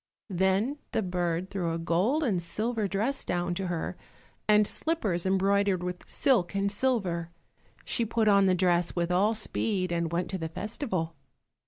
Then the bird threw a gold and silver dress down to her, and slippers embroidered with silk and silver. She put on the dress with all speed, and went to the festival.